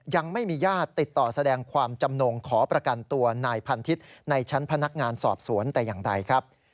ยังไม่มีญาติติดต่อแสดงความจำนงขอประกันตัวนายพันทิศในชั้นพนักงานสอบสวนแต่อย่างใดครับ